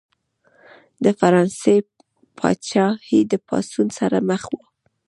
د فرانسې پاچاهي د پاڅون سره مخ وه.